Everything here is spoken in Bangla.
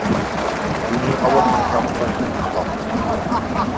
তিনি অবসরপ্রাপ্ত শিক্ষক।